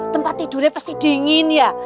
tempat tidurnya pasti dingin ya